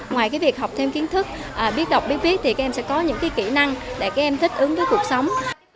ngoài việc học thêm kiến thức biết đọc biết viết thì các em sẽ có những kỹ năng để các em thích ứng với cuộc sống